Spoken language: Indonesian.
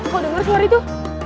kau dengar suara itu